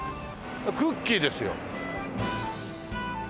クッキーですよ。